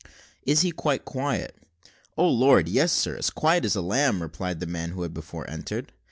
"Is he quite quiet?" "O Lord! yes, sir, as quiet as a lamb," replied the man who had before entered.